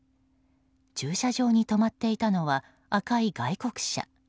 駐車場に止まっていたのは赤い外国車。